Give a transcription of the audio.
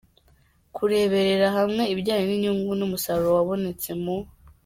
Kurebera hamwe ibijyanye n’inyungu n’umusaruro wabonetse mu.